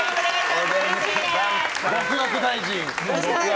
極悪大臣。